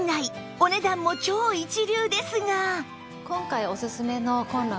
お値段も超一流ですが